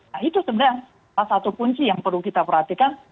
nah itu sebenarnya salah satu kunci yang perlu kita perhatikan